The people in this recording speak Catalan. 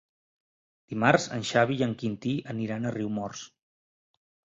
Dimarts en Xavi i en Quintí aniran a Riumors.